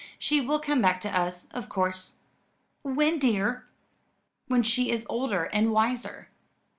"She will come back to us of course." "When, dear?" "When she is older and wiser."